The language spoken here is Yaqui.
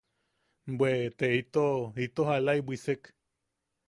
Bwe... te ito, ito jalaʼi bwisek.